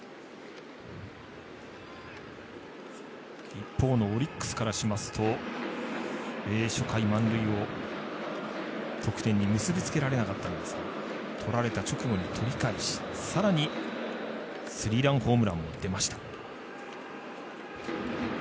一方のオリックスからしますと初回満塁を得点に結びつけられなかったんですが取られた直後に取り返しさらにスリーランホームランも出ました。